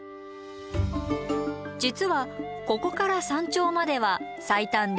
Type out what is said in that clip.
実はここから山頂までは最短で２０分ほど。